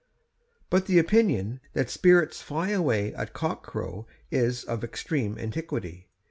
But the opinion that spirits fly away at cock crow is of extreme antiquity.